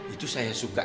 itu saya suka